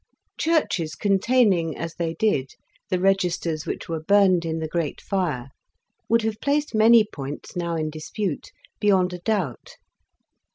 Churches containing, as they did, the registers which were burned in the Great Fire, would have placed many points, now in dispute, beyond a doubt.